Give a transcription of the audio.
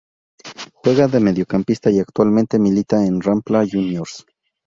Juega de mediocampista y actualmente milita en Rampla Juniors.